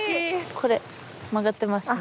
これ曲がってますね。